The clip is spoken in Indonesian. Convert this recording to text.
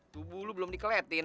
tubuh lo belum dikeletin